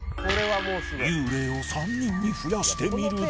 幽霊を３人に増やしてみると